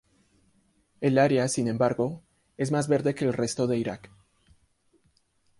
El área, sin embargo, es más verde que el resto de Irak.